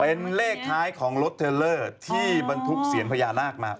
เป็นเลขท้ายของรถเทลเลอร์ที่บรรทุกเสียงพญานาคมา